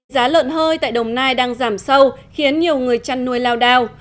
giá lợn hơi tại đồng nai đang giảm sâu khiến nhiều người chăn nuôi lao đao